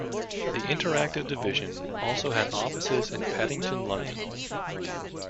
The interactive division also has offices in Paddington, London.